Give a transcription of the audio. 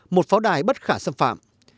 một pháo đài bất khả xâm phạm